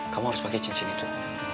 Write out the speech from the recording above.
kamu harus pakai cincin itu